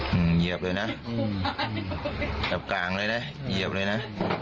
เหยียบเลยนะอืมจับกลางเลยนะเหยียบเลยนะ